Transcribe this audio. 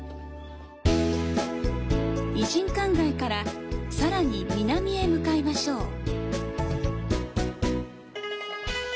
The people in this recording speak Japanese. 異人館街からさらに南へ向かいましょう。